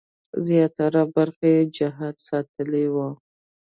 زیاتره برخه یې جهاد ساتلې وه.